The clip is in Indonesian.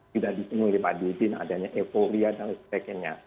sudah disinggung oleh pak dudi adanya euforia dan sebagainya